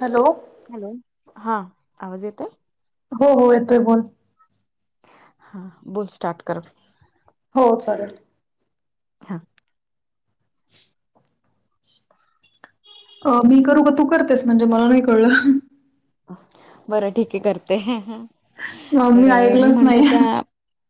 Hello, hello,, हा, आवाज येत. हो हो,, येतोय. बोल. हा, बोल स्टार्ट कर. हो चालेल. हा, अ, मी करू का, तू करतेस, म्हणजे मला नाही कळलं. बरं ठीक य करते,, तर मी ऐकलंच म्हणलो, नाही त्याऽ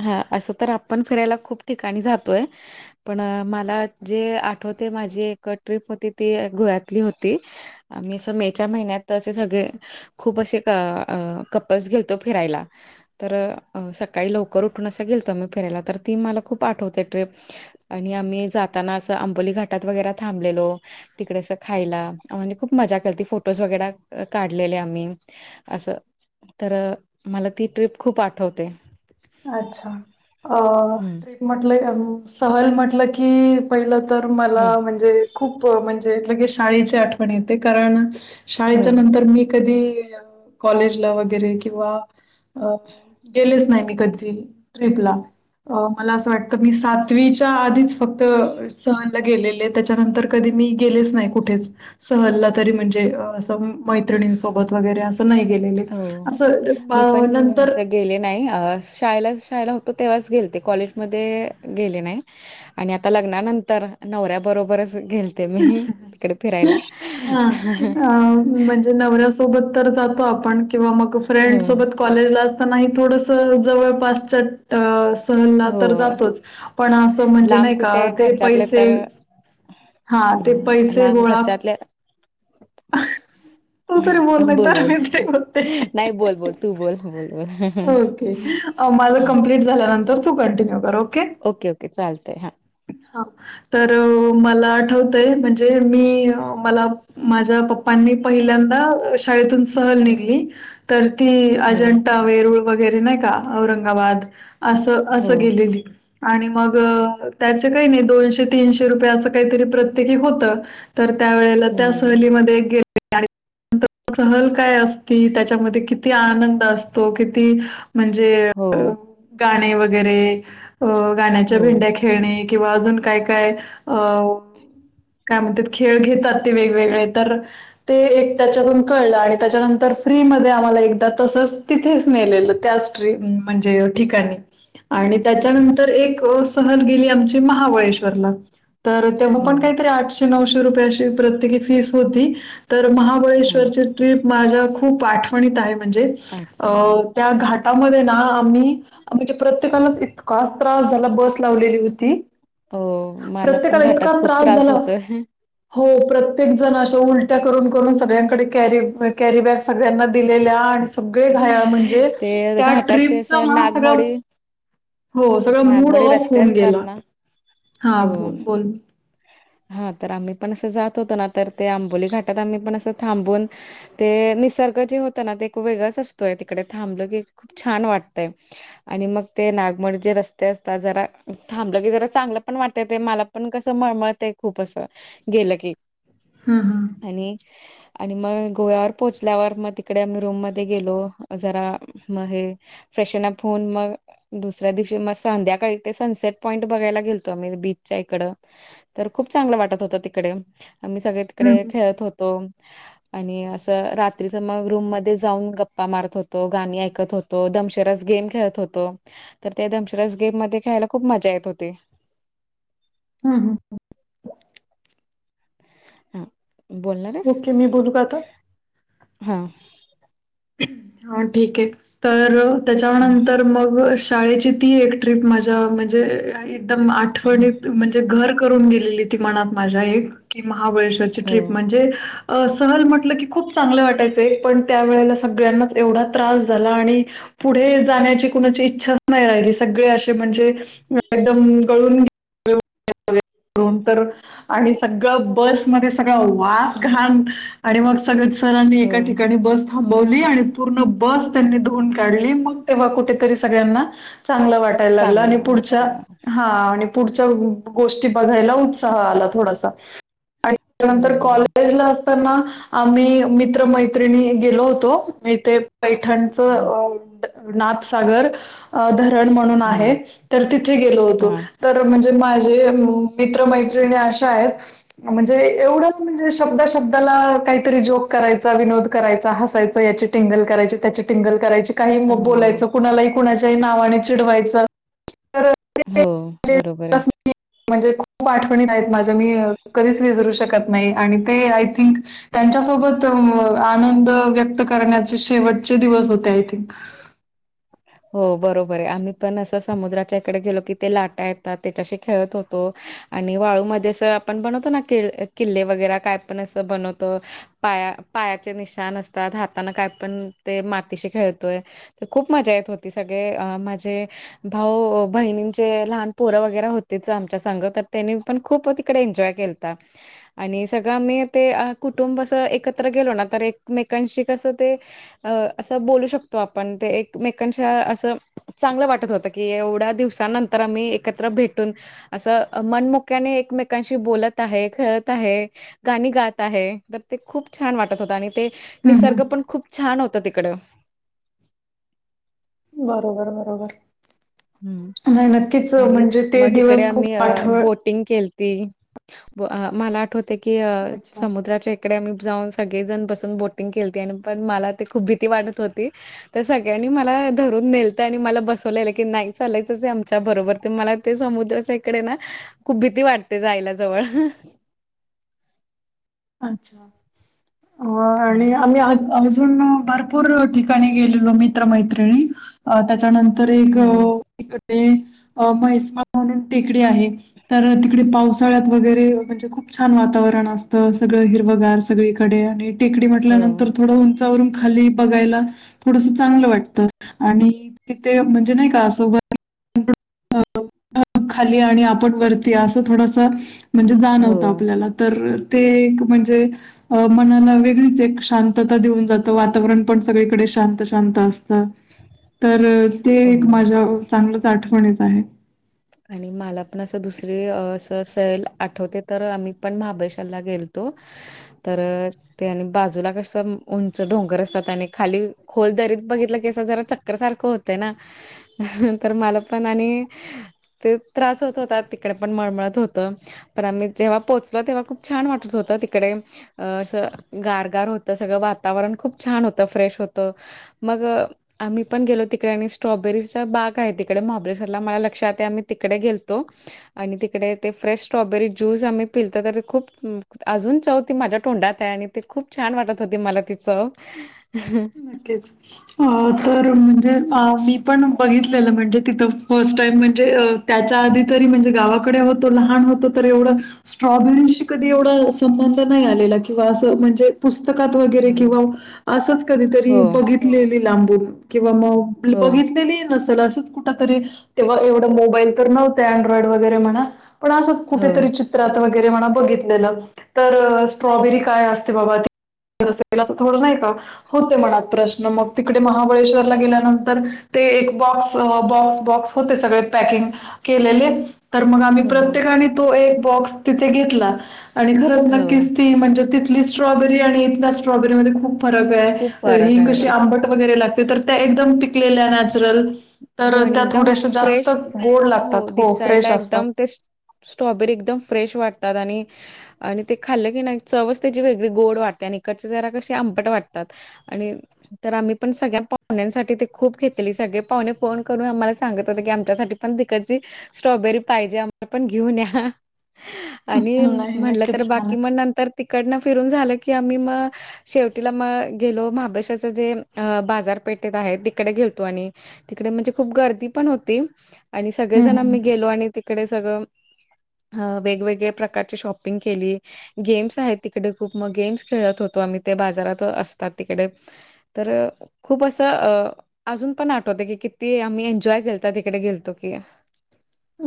हा,, असं तर आपण फिरायला खूप ठिकाणी जातोय. पण,, मला जे आठवतेय, माझी एक ट्र्रीप होती ती गोव्यातली होती. आम्ही असं मे च्या महिन्याते सगळेऽ खूप असे कपल्स गेलतो फिरायला. तर,, सकाळी लवकर उठून असं गेलतो आमी फिरायला,, तर ती मला खूप आठवतेय ट्रिप. आणि आम्ही जाताना, असं अंबोली घाटात वगैरे थांबलेलो. तिकडे असं खायला, म्हजे खूप मजा केलती, फोटोज वगैर काढऽ काडलेले आम्ही,, असं तर मला ती ट्रिप खूप आठवते. अच्छा,, अ हम्म ट्रिप म्हटलं,, सहल म्हटलं कीऽ पहिलं तर मला, ह म्हणजे, खूप, म्हणजे ल की शाळेची आठवण येते कारणऽ शाळेच्या नंतर मी कधी,, कॉलेजला वगैरे किंवाऽ अ गेलेच नाही मी कधी. ट्रीपला मला असं वाटत, मी सातवीच्या आधी फक्त सहल गेलेले त्याच्यानंतर कधी, मी गेलेच नाही कुठेच. सहलला तरी म्हणजे, असं मैत्रिणींसोबत वगैरे असं. नाही गेलेले, हो असं मी पण नंतर. असं गेले नाही, शाळेलाच शाळेला होतो तेव्हाच गेलते, कॉलेजमध्ये गेले नाही. आणि आता लग्नानंतर, नवऱ्या बरोबरच गेलं ते मी, तिकडे फिरायला‌. हा अ, म्हणजे नवऱ्यासोबत तर जातो आपण, किंवा मग फ्रेंड हो सोबत. कॉलेज ला असताना. थोडंसं जवळपासच्या, अ सहलला हो तर जातोच. पण असं म्हणजे लांब नाही का कुठे ते घरच्यातले पैसे, तर हा ते हम्म, पैसे लांब गोळा खर्च्याातल्या. तू तरी नाही बोल तर बोल मी तरी बोलते. नाही. बोल बोल तू बोल बोल बोल. हम्म. ओके माझं कंप्लीट झाल्यानंतर, तू कंटिन्यू कर ओके. ओके ओके, चालतंय हा. हा, तर मला आठवतय म्हणजे मी मला. माझ्या पप्पांनी पहिल्यांदा, शाळेतून स सहल हम्म. निघली. तर ती हो अजंठा वेरूळ वगैरे नाही का औरंगाबाद. असं हो असं गेलेली. आणि मग त्याच काही नाही, दोनशे तीनशे रुपये असं काहीतरी प्रत्येकी होतं. तर त्या वेळेला त्या, हम्म सहलीमध्ये गे सहल काय असती, त्याच्यामध्ये किती आनंद असत. तो किती म्हणजे, हो गाणे वगैरे. अ गाण्याच्या हो भेंड्या खेळणे, किंवा अजून काय काय अं. काय म्हणतात. खेळ घेतात ते वेगवेगळे तर, ते एक त्याच्यातून कळलं, आणि त्याच्यानंतर फ्रीमध्ये आम्हाला एकदा तसंच. तिथेच नेलेलं त्याचं, ट्री म्हणजे ठिकाणी. आणि त्याच्यानंतर, एक सहल गेली आमची महाबळेश्वरला. तर तेव्हा हो पण काहीतरी, आठशे नऊशे रुपयाची प्रत्येकी फीस होती‌. तर हा महाबळेश्वरची ट्रीप माझ्या खूप आठवणीत आहे. म्हणजे, अ आठवणी आहेत. त्या घाटामध्ये ना, आम्ही म्हणजे प्रत्येकालाच इतका, त्रास झाला, बस लावलेली होती. हो मला पण प्रत्येकाला इतका घाटात खूप त्रास झाला. होतो हो प्रत्येक जण अशा उलट्या करून करून सगळ्यांकडे क कॅरी बॅग सगळ्यांना. दिलेल्या आणि सगळे घ म्हणजे, ते त्या घाटात ते ट्रीपच असं मग सगळं, नागमोडी हो सगळा मूड नागमोडी ऑफ रस्ते होऊन असतात गेला. ना हा हो बोल, हा तर आम्ही पण असं जात होतो ना, तर ते आंबोली घाटात आम्ही पण असं थांबून. ते निसर्ग जे होत ना ते एक वेगळांच असतोय, तिकडे थांबलं की खूप छान वाटतंय. आणि मग ते नागमोडी जे रस्ते असतात. जरा थांबलं की जरा चांगलं पण वाटत, ते मला पण कसं मळमळ ते खूप असं गेलं की, हम हम. आणि, आणि मग गोव्यावर पोहोचल्यावर, मग तिकडे आम्ही रूम मध्ये गेलो जरा. मग हे फ्रेशन अप होऊन मग, दुसऱ्या दिवशी मग संध्याकाळी ते सनसेट पॉईंट बघायला गेलतो. आम्ही बीचच्या इकडं, तर खूप चांगलं वाटत होत तिकडे मी सगळे तिकडे हम्म खेळत होतो. आणि असं रात्रीच मग रूम मध्ये जाऊन गप्पा मारत होतो गाणी ऐकत होतो. तो दधमशेरास गेम खेळत होतो तर त्या दमशेरास गेम मध्ये खेळायला खूप मजा येत होते. हा हा ह हा बोलणार ओके मी बोलू का आता हम्म हा ठीक हे तर त्याच्यानंतर मग शाळेची ती एक ट्रीप माझ्या म्हणजे एकदम आठवणीत. म्हणजे घर करून गेलेली ती मनात माझ्या एक की महाबळेश्वरची हो ट्रीप म्हणजे अ सहल म्हटलं की खूप चांगलं वाटायचं एक पण त्या वेळेला सगळ्यांनाच एवढा त्रास झाला आणि पुढे जाण्याची कुणाची इच्छा नाही राहिली सगळे असे म्हणजे एकदम गळूने ून तर [unintelligible] आणि सगळं बसमध्ये सगळं वास घाण आणि मग सगळं सरांनी हो एका ठिकाणी बस. थांबवली आणि पूर्ण बस त्यांनी धुवून काढली मग तेव्हा कुठेतरी सगळ्यांना चांगलं वाटलं. यायला लागला चांगलं आणि पुढच्या वाटलं हा पुढच्या गोष्टी बघायला उत्साह आला थोडासा आणि त्यानंतर बरोबर आहे कॉलेजला असताना आम्ही मित्रमैत्रिणी गेलो होतो. तो इथे पैठणच अ नाथसागर अ धरण म्हणून हा आहे तर तिथे गेलो होतो. हा तर म्हणजे माझे मित्रमैत्रिणी अशा आहेत. म्हणजे एवढंच म्हणजे शब्दा शब्दाला काहीतरी जोक करायचा विनोद करायचा हासायच. याची टिंगल करायची त्याची टिंगल करायची काही हो बोलायचं कुणालाही कुणाच्याही नावाने चिडवायचं. तर ते हो जे बरोबर आहे म्हणजे खूप आठवणीत आहेत माझ्या मी कधीच विसरू शकत नाही आणि ते आय थिंक त्यांच्यासोबत आनंद व्यक्त करण्याचे शेवटचे दिवस होते आय थिंक हो बरोबर हे आम्ही पण असं समुद्राच्या इकडे गेलो की ते लाटा येतात त्याच्याशी खेळत होतो. आणि वाळू मध्ये अस आपण बनवतो ना किल् किल्ले वगैरे काय पण असं बनवत. पाया पायाचे निशान असतात हाताने काय पण ते मातीशी खेळतोय. तर खूप मजा येत होती सगळे अ माझे भाऊ बहिणींचे लहान पोरं वगैरे होतेच आमच्या संग तर त्यांनी पण खूप कडे एनजॉय केलता. आणि सगळं म्ी ते कुटुंब अस एकत्र गेलो ना तर एकमेकांशी कसं ते अ असं बोलू शकतो आपण ते एकमेकांच्या असं. चांगलं वाटत होतं की एवढ्या दिवसाांनंतर आम्ही एकत्र भेटून असं मनमुक्याने एकमेकांशी बोलत आहे खेळत आहे. गाणी गात आहे तर ते खूप छान वाटत होत आणि ते निसर्ग पण खूप छान होता तिकड. बरोबर बरोबर हम्म ह नक्कीच म्हणजे ते दिवस खूप आठव. एक्टिंग केलती व अ मला आठवतंय की अ अच्छा, समुद्रात एक्टिंग. इकडे आम्ही जाऊन सगळेजण बसून बोटिंग केलती आणि पण मला ते खूप भीती वाटत होती. तर सगळ्यांनी मला धरून नेलत आणि मला बसवलेलं. की नाही चालायचच हे आमच्या बरोबर ते मला ते समुद्राच्या इकडे ना खूप भीती वाटते जायला जवळ अह अच्छा मग हं, आणि आम्ही आज अजून भरपूर ठिकाणी गेलेलो मित्रमैत्रिणी अ त्याच्यानंतर तर एक हं. इकडे म्हैसमा म्हणून टेकडी आहे. तर तिकडे पावसाळ्यात वगैरे म्हणजे खूप छान वातावरण असत. तर सगळं हिरवगार सगळीकडे आणि टेकडी हो, म्हटल्यानंतर थोडं उंचावरून खाली बघायला थोडस चांगलं वाटत आणि तिथे म्हणजे नाही का सोबत [unintelligible] खाली आणि आपण वरतीया असं थोडस म्हणजे जाणवतं हो, आपल्याला तर ते एक म्हणजे अ मनाला वेगळीच एक शांतता देऊन जातं वातावरण पण सगळीकडे शांत शांत असतं. तर ते एक हो. माझ्या चांगलंच आठवणीत आहे. आणि मला पण असं दुसरी असं सैल आठवते तर आम्ही पण महाबळेश्वरला गेलतो. तर ते आणि बाजूला कस उंच डोंगर असतात आणि खाली खोल दरीत बघितलं अस जरा चक्कर सारखं होतंय ना अह तर मला पण आणि ते त्रास होत होता तिकडे पण मळमळत होत. तर आम्ही जेव्हा पोहोचलो तेव्हा खूप छान वाटत होत तिकडे अ अस गारगार होत सगळं वातावरण खूप छान होतं फ्रेश होतं. मग आम्ही पण गेलो तिकडे आणि स्ट्रॉबेरीचा बाग आहे तिकडे महाबळेश्वरला मला लक्षात आहे आम् तिकडे गेलतो. आणि तिकडे ते फ्रेश स्ट्रॉबेरी ज्यूस आम्ही पिलतो तर खूप अजून चौ ती माझ्या तोंडात आहे आणि ते खूप छान वाटत होते मला ति चव अह म्हटलेच. हा तर म्हणजे मी पण बघितलेलं म्हणजे तिथं फर्स्ट टाईम म्हणजे अ त्याच्या आधी तरी म्हणजे गावाकडे होतो लहान होत होतो तर एवढं स्ट्रॉबेरीशी कधी एवढ संबंध नाही आलेला किंवा असं म्हणजे पुस्तकात वगैरे हां. किंवा असंच कधीतरी हो बघितलेली लांबून किंवा मग हो बघितलेली नसल असं कुठ तरी तेव्हा एव मोबाईल तर नव्हत अँड्रॉइड वगैरे म्हणा पण असंच हो कुठेतरी चित्र चित्रात वगैरे म्हणा बघितलेलं तर स्ट्रॉबेरी काय असते बाबा असं थोडं नाही का होते मनात प्रश्न मग तिकडे महाबळेश्वरला गेल्यानंतर ते एक बॉक्स बॉक्स बॉक्स होते सगळे पॅकिंग केलेले तर मग आम्ही हो प्रत्येकाने तो एक बॉक्स तिथे घेतला. आणि खरंच हो नक्कीच ती म्हणजे तिथली स्ट्रॉबेरी आणि इथल्या स्ट्रॉबेरीमध्ये खूप फरक हाय. खूप ही फरक आहे. कशी आंबट वगैरे लागते तर त्या एकदम पीकलेल्या नॅचरल हो तर आणि त्या एकदम थोडश जास्त फ्रेश गोड लागतात हो फ्रेश दिसायला असतात. एकदम ते स्ट्रॉबेरी एकदम फ्रेश वाटतात आणि आणि ते खाल्लं की नाही चवच त्याची वेगळी गोड वाटते आणि इकडच्या जरा कशी आंबट वाटतात. आणि तर आम्ही पण सगळ्या पाहूण्यासाठी ते खूप घेतलेली सगळे पाहुणे फोन करून आम्हाला सांगत होते की आमच्यासाठी पण तिकडची स्ट्रॉबेरी पाहिजे आम्हाला पण घेऊन या आहा हा आणि हं, नाही म्हटलं तर नक्कीच छान आहे. बाकी मग नंतर तिकडनं फिरून झालं की आम्ही मग- शेवटीला मग गेलो महाबळेश्वरच जे बाजारपेठेत आहे ते - कडे गेलतो आणि तिकडे म्हणजे खूप गर्दी पण होती. आणि सगळे हम्म जण हम्म आम्ही गेलो आणि- तिकडे सगळं वेगवेगळ्या प्रकारची शॉपिंग केली. गेम्स आहेत तिकडे खूप. मग गेम्स खेळत होतो आम्ही ते बाजारात असतात तिकडे. तर खूप असं अ- अजून पण आठवत की किती आम्ही एन्जॉय केलता तिकडे गेलतो की.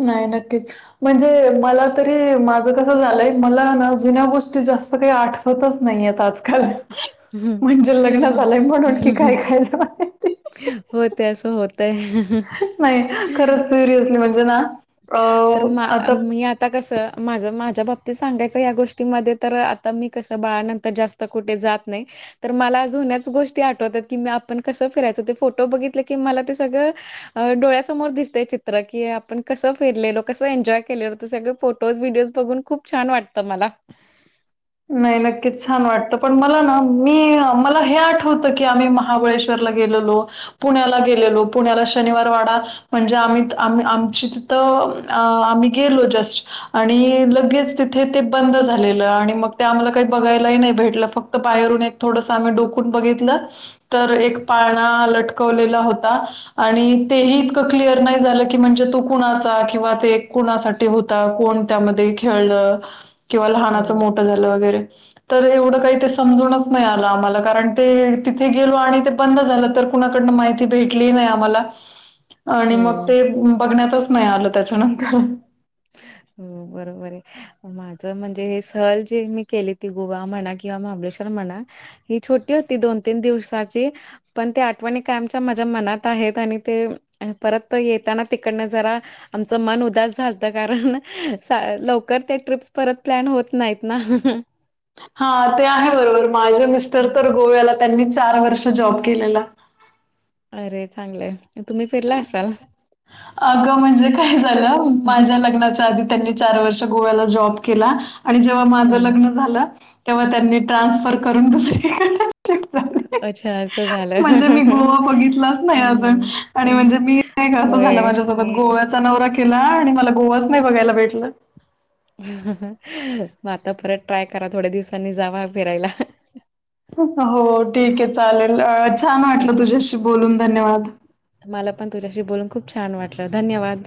नाही. नक्कीच. म्हणजे मला तरी, माझं कसं झालंय? मला ना जुन्या गोष्टी जास्त काही आठ- -वतच नाहीयेत आजकाल. हम्म. म्हणजे लग्न झालंय म्हणून कि काय होत असं होत- नाही. खरंच सिरियसली म्हणजे ना अ तर मा आता- मी आता कसं? माझं माझ्या बाबतीत सांगायचं या गोष्टीमध्ये तर आता मी कसं बाळानंतर जास्त- कुठे जात नाही. तर मला जुन्याच गोष्टी आठवतात, की आपण कसं फिरायचो. ते फोटो बघितले की मला ते सगळं- अ डोळ्यासमोर दिसतय चित्र की आपण- कसं फिरलेलो. कसं एन्जॉय केलेलो त सगळे फोटोज व्हिडिओज बघून खूप छान वाटतं मला. नाही नक्कीच छान वाटत. पण मला ना मी मला हे आठवतं की आम्ही महाबळेश्वर- ला गेलेलो. पुण्याला गेलेलो पुण्याला शनिवार वाडा- म्हणजे आम्ही आम् आमची तिथं आम्ही गेलो जस्ट आणि लगेच- तिथे ते बंद झालेलं आणि मग- तिथे आम्हाला काही बघायलाही नाही भेटलं. फक्त बाहेरून एक थोडंस आम्ही डोकून बघितलं. तर एक पाळणा लटकवलेला होता- आणि तेही इतकं क्लिअर नाही झालं की म्हणजे तो कुणाचा किंवा ते कुणासाठी- त होता? कोण त्यामध्ये खेळलं? किंवा हो लहानाच मोठ झालं वगैरे. तर एवढं काही ते समजूनच नाही आलं आम्हाला. कारण ते तिथे गेलो आणि ते- बंद झालं तर कुणाकडनं माहिती भेटली नाही आम्हाला आणि मग हो. ते बघण्यातच नाही आलं त्याच्यानंतर. हं. बरोबर आहे. माझं म्हणजे हे सहल जे मी केली ती गोवा म्हणा किंवा महाबळेश्वर म्हणा- ही छोटी होती दोन तीन दिवसाची. पण त्या आठवणी कायमच्या माझ्या मनात आहेत. आणि ते- आणि परत येताना तिकडनं जरा, आमचं मन उदास झालं. कारण लवकर ते ट्रिप्स परत प्लॅन होत नाहीत ना? हा. ते आहे बरोबर. माझ्या मिस्टर तर गोव्याला त्यांनी चार वर्ष जॉब केलेला. अरे! चांगलंय. तुम्ही फिरला असाल अगं म्हणजे काय झालं? हम्म. माझ्या लग्नाच्या आधी- त्यांनी चार वर्ष गोव्याला जॉब केला आणि जेव्हा माझं हम्म. लग्न झाल- तेव्हा त्यांनी ट्रान्सफर करून दुसरीक शिफ्ट झाले. अच्छा असं झालं म्हणजे मी गोवा बघितलाच नाही अजून. हम्म. आणि हम्म म्हणजे मी नाही का असं झालं होय माझ्यासोबत गोव्याचा नवरा केला आणि मला गोवाच नाही बघायला भेटल. मग आता परत ट्राय करा. थोड्या दिवसांनी जावा फिरायला. हो ठीक आहे चालेल. छान वाटलं तुझ्याशी बोलून धन्यवाद. मला पण तुझ्याशी बोलून खूप छान वाटलं धन्यवाद.